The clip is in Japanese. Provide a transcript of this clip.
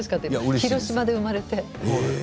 広島で生まれて。